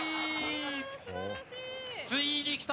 ついにきた！